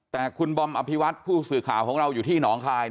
แต่คุณบอมอภิวัตผู้สื่อข่าวของเราอยู่ที่หนองคาย